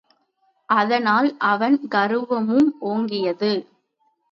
அதனால் அவன் கருவமும் ஓங்கியது.